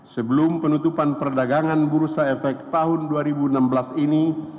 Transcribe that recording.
sebelum penutupan perdagangan bursa efek tahun dua ribu enam belas ini